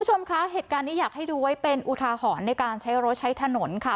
คุณผู้ชมคะเหตุการณ์นี้อยากให้ดูไว้เป็นอุทาหรณ์ในการใช้รถใช้ถนนค่ะ